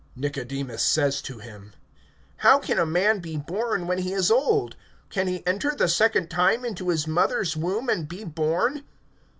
(4)Nicodemus says to him: How can a man be born when he is old? Can he enter the second time into his mother's womb, and be born?